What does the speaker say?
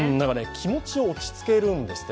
気持ちを落ち着けるんですって。